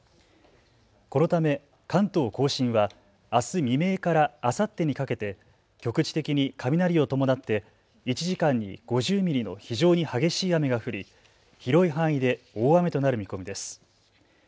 このため関東甲信はあす未明からあさってにかけて局地的に雷を伴って１時間に５０ミリの非常に激しい雨が降り広い範囲で大雨となる見込みです。